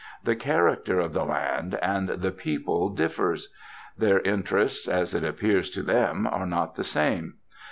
The character of the land and the people differs; their interests, as it appears to them, are not the same.